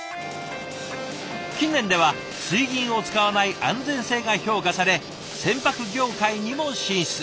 近年では水銀を使わない安全性が評価され船舶業界にも進出。